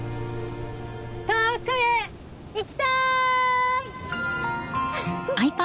遠くへ行きたい！